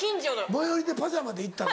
最寄りでパジャマで行ったの？